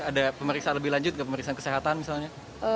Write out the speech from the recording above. ada pemeriksaan lebih lanjut ke pemeriksaan kesehatan misalnya